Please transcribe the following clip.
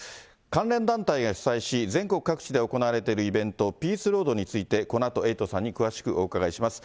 関連団体が主催し、全国各地で行われているイベント、ピースロードについて、このあとエイトさんに詳しくお伺いします。